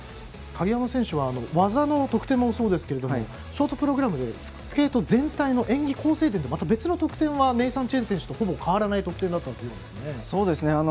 鍵山選手は技の得点もそうですがショートプログラムでスケート全体の演技構成点ではまた別の得点はネイサン・チェン選手とはほぼ変わらない得点でしたよね。